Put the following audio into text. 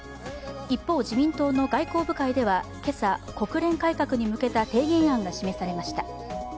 一方、自民党の外交部会では今朝、国連改革に向けた提言案が示されました。